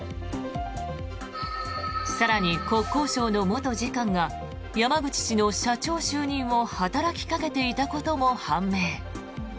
更に、国交省の元次官が山口氏の社長就任を働きかけていたことも判明。